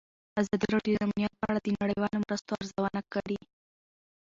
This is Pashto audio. ازادي راډیو د امنیت په اړه د نړیوالو مرستو ارزونه کړې.